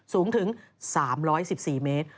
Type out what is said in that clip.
สูงถึง๓๑๔เมตร